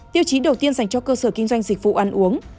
tiêu chí đầu tiên dành cho cơ sở kinh doanh dịch vụ ăn uống